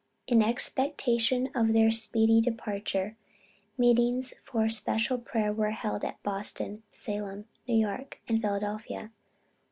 In expectation of their speedy departure, meetings for special prayer were held at Boston, Salem, New York, and Philadelphia.